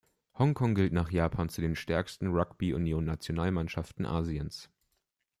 Hongkong gilt nach Japan zu den stärksten Rugby-Union-Nationalmannschaften Asiens.